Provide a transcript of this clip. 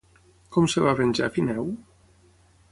Com es va venjar Fineu?